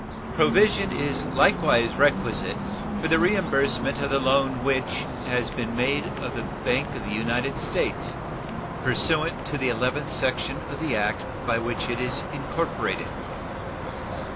Provision is likewise requisite for the reimbursement of the loan which has been made of the Bank of the United States, pursuant to the eleventh section of the act by which it is incorporated.